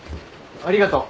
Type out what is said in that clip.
ありがとう。